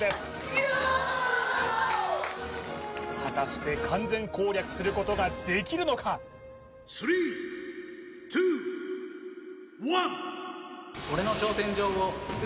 イヤーッ果たして完全攻略することができるのかうわダル